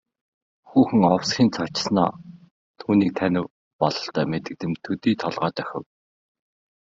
Хүүхэн овсхийн цочсоноо түүнийг танив бололтой мэдэгдэм төдий толгой дохив.